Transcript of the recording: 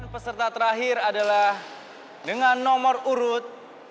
dan peserta terakhir adalah dengan nomor urut